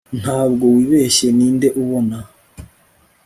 Ntabwo wibeshye ninde ubona